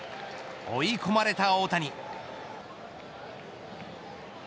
追い込まれた大谷。